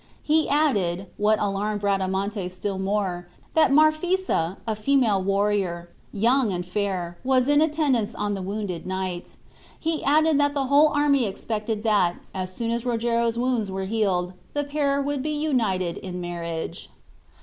He added, what alarmed Bradamante still more, that Marphisa, a female warrior, young and fair, was in attendance on the wounded knight. He added that the whole army expected that, as soon as Rogero's wounds were healed, the pair would be united in marriage.